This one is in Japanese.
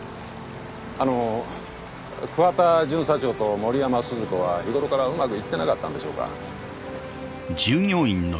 あの桑田巡査長と森山鈴子は日頃からうまくいってなかったんでしょうか？